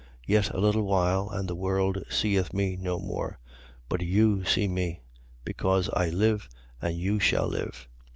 Yet a little while and the world seeth me no more. But you see me: because I live, and you shall live.